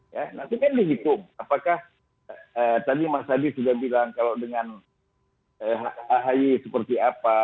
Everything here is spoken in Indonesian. nah itu kan dihitung apakah tadi mas ahayi sudah bilang kalau dengan ahayi seperti apa